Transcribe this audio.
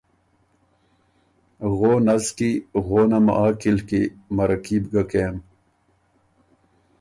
غون از کی غونم ا عقِل کی، مَرَکي بو ګه کېم۔